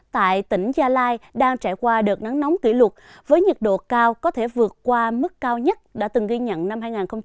tại tỉnh gia lai đang trải qua đợt nắng nóng kỷ lục với nhiệt độ cao có thể vượt qua mức cao nhất đã từng ghi nhận năm hai nghìn hai mươi